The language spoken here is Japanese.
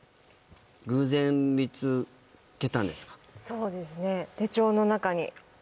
そうですね